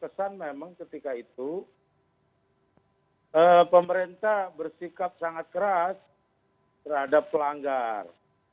kesan memang ketika itu pemerintah bersikap sangat keras terhadap pelanggar